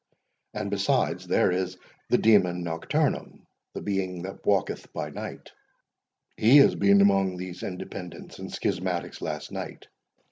—And besides, there is the Demon Nocturnum— the being that walketh by night; he has been among these Independents and schismatics last night.